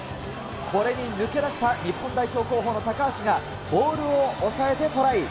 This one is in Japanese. これに抜け出した日本代表候補の高橋が、ボールを押さえてトライ。